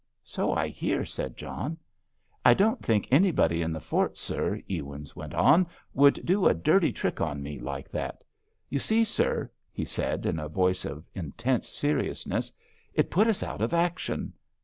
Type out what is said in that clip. "So I hear," said John. "I don't think anybody in the fort, sir," Ewins went on, "would do a dirty trick on me like that. You see, sir," he said, in a voice of intense seriousness, "it put us out of Action."